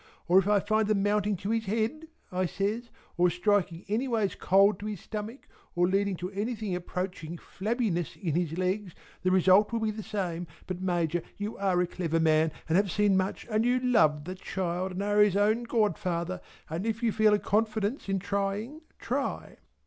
Or if I find them mounting to his head" I says, "or striking anyways cold to his stomach or leading to anything approaching flabbiness in his legs, the result will be the same, but Major you are a clever man and have seen much and you love the child and are his own godfather, and if you feel a confidence in trying try."